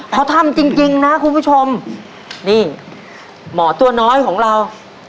เขาทำจริงจริงนะคุณผู้ชมนี่หมอตัวน้อยของเรา